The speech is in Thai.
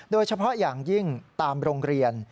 โดยเฉพาะอย่างยิ่งตามโรงเรียน